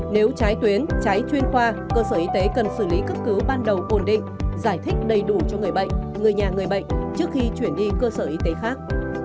nếu trái tuyến trái chuyên khoa cơ sở y tế cần xử lý cấp cứu ban đầu ổn định giải thích đầy đủ cho người bệnh người nhà người bệnh trước khi chuyển đi cơ sở y tế khác